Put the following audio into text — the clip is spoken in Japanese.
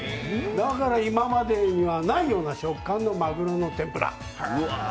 だから今までにはないような食感のマグロの天ぷら。